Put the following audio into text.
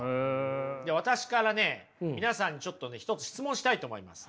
じゃあ私からね皆さんにちょっとね一つ質問をしたいと思います。